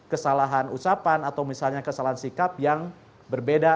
kesalahan ucapan atau misalnya kesalahan sikap yang berbeda